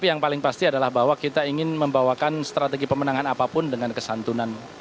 yang paling pasti adalah bahwa kita ingin membawakan strategi pemenangan apapun dengan kesantunan